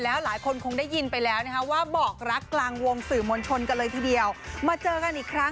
แล้วก็ความรู้สึกที่มีต่อกัน